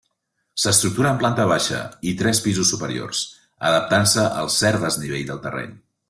S'estructura en planta baixa i tres pisos superiors, adaptant-se al cert desnivell del terreny.